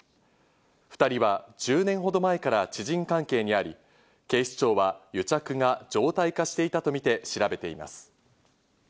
２人は１０年ほど前から知人関係にあり、警視庁は癒着が常態化していたとみて調べています。